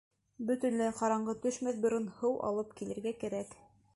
«Бөтөнләй ҡараңғы төшмәҫ борон һыу алып килергә кәрәк».